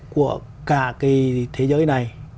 của cả cái thế giới này